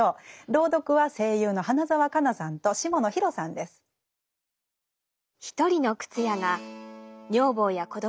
朗読は声優の花澤香菜さんと下野紘さんです。